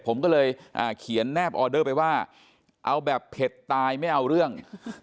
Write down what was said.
ผมก็เลยเขียนแนบออเดอร์ไปว่าเอาแบบเผ็ดตายไม่เอาเรื่อง